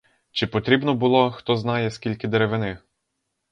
Чи потрібно було хто знає скільки деревини?